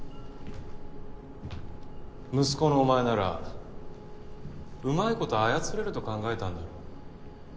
息子のお前なら上手いこと操れると考えたんだろう。